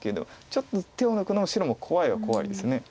ちょっと手を抜くのは白も怖いは怖いです。